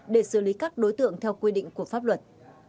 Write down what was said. để xử lý các đối tượng theo quy định của pháp luật